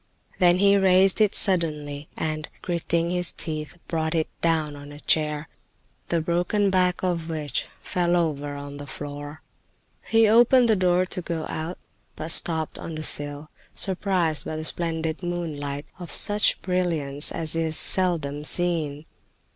Then he raised it suddenly and, gritting his teeth, brought it down on a chair, the broken back of which fell over on the floor. He opened the door to go out, but stopped on the sill, surprised by the splendid moonlight, of such brilliance as is seldom seen.